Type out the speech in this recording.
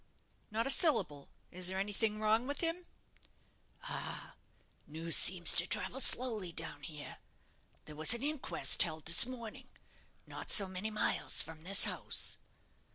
"Not a syllable. Is there anything wrong with him?" "Ah! news seems to travel slowly down here. There was an inquest held this morning, not so many miles from this house."